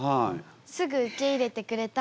すぐ受け入れてくれたんだ。